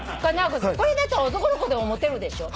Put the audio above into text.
これだと男の子でも持てるでしょ。